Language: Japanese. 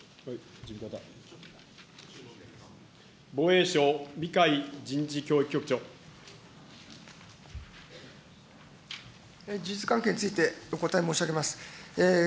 防衛省、事実関係についてお答え申し上げます。